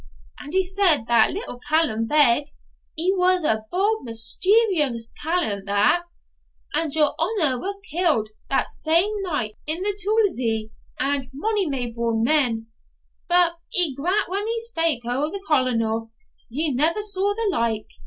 And he said that little Callum Beg (he was a bauld mischievous callant that) and your honour were killed that same night in the tuilzie, and mony mae braw men. But he grat when he spak o' the Colonel, ye never saw the like.